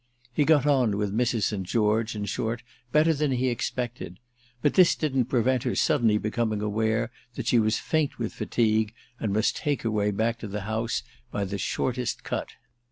He got on with Ms. St. George, in short, better than he expected; but this didn't prevent her suddenly becoming aware that she was faint with fatigue and must take her way back to the house by the shortest cut.